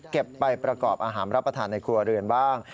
ไปประกอบอาหารรับประทานในครัวเรือนบ้าง